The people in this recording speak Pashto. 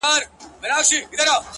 چي ديـدنونه پــــه واوښـتل;